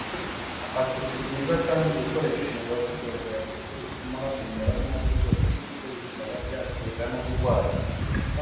Ati “Si byiza kandi gukoresha imibavu ‘deodorants’ kuko bituma hahumura nabi rwose ndetse bikaba byatera n’uburwayi